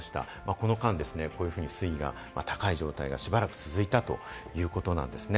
この間、このように水位が高い状態がしばらく続いたということなんですね。